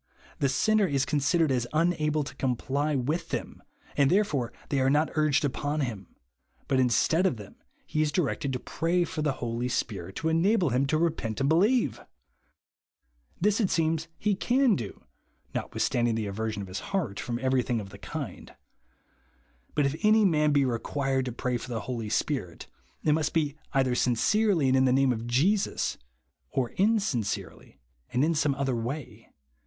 The sinner is considered as unible to comply with them, and therefore they are not urged upon, him ; but instead of them, he is directed to pray for the Holy Spirit to enable him to repent and believe ! This, l2 12G BELIEVE JUST NOW. it soems, he can do, notwithstanding the aversion of his heart from everything of tlic kind. But if any man be required to piay for the Holy Spirit, it must be either sincerely and in the name of Jesus, or in sincerely and in some other way.